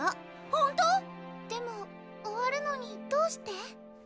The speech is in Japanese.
本当⁉でも終わるのにどうして？